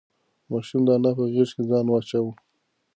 ماشوم د انا په غېږ کې ځان واچاوه.